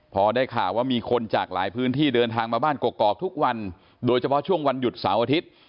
พอได้ข่าวว่ามีคนจากหลายพื้นที่เดินทางมาบ้านกกอกทุกวันโดยเฉพาะช่วงวันหยุดเสาร์อาทิตย์